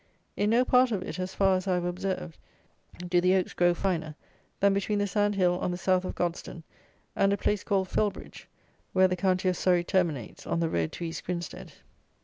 In no part of it, as far as I have observed, do the oaks grow finer than between the sand hill on the South of Godstone and a place called Fellbridge, where the county of Surrey terminates on the road to East Grinstead.